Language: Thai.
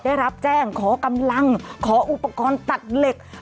ได้รับแจ้งขอกำลังขออุปกรณ์ตัดเหล็ก